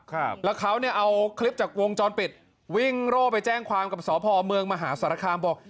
ครับแล้วเขาเนี่ยเอาคลิปจากวงจรปิดวิ่งโร่ไปแจ้งความกับสพเมืองมหาสารคามบอก